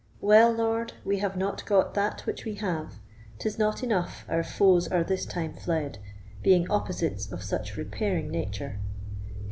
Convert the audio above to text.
Well, lord, we have not got that which we have; 'Tis not enough our foes are this time fled, Being opposites of such repairing nature.